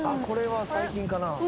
これは最近かな？